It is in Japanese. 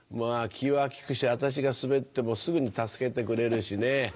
気は利くし私がスベってもすぐに助けてくれるしね。